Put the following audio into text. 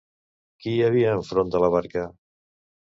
Qui hi havia enfront de la barca?